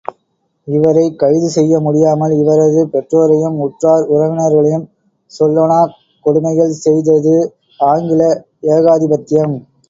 இவரைக் கைது செய்ய முடியாமல் இவரது பெற்றோரையும் உற்றார் உறவினர்களையும் சொல்லொணாக் கொடுமைகள் செய்தது ஆங்கில ஏகாதிபத்யம்.